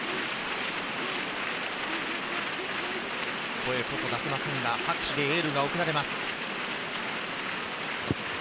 声こそ出せませんが拍手でエールが送られます。